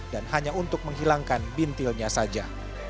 dan hanya untuk menghilangkan bintilnya saja